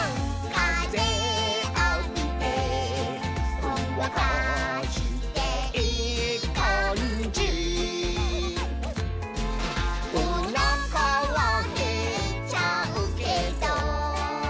「かぜあびてほんわかしていいかんじ」「おなかはへっちゃうけど」